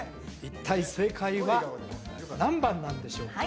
一体正解は何番なんでしょう？